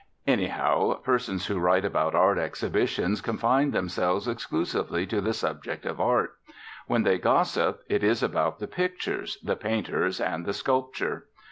Anyhow, persons who write about art exhibitions confine themselves exclusively to the subject of art. When they gossip it is about the pictures, the painters, and the sculpture.